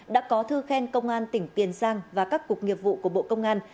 đã có thư khen công an tỉnh tiền giang và các cục nghiệp vụ của bộ công an